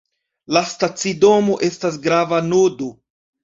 La stacidomo estas grava nodo.